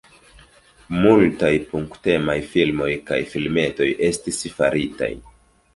Multaj punk-temaj filmoj kaj filmetoj estis faritaj.